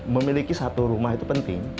memiliki satu rumah itu penting